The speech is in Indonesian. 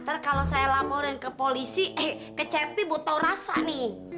ntar kalo saya laporin ke polisi ke cepi buat tau rasa nih